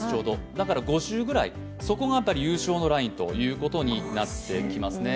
だから５周くらい、そこが優勝のラインということになってきますね。